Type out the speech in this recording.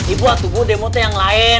ibu aku mau demo tuh yang lain